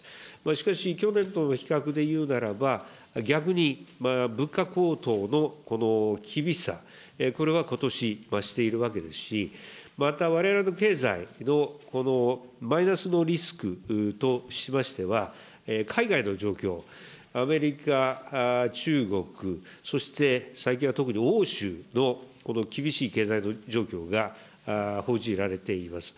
しかし、去年との比較で言うならば、逆に物価高騰のこの厳しさ、これはことし増しているわけですし、また、われわれの経済のこのマイナスのリスクとしましては、海外の状況、アメリカ、中国、そして最近は特に欧州のこの厳しい経済状況が報じられています。